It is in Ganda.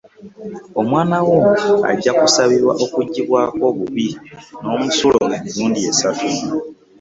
Omwana wo ajja kusabibwa okuggyibwako obubi n’omusulo emirundi esatu.